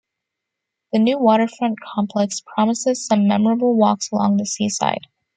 The new waterfront complex promises some memorable walks along the sea-side.